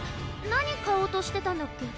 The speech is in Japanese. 何買おうとしてたんだっけ？